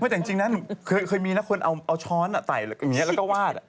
เพราะจริงนะเคยมีคนเอาช้อนใส่อย่างงี้แล้วก็วาด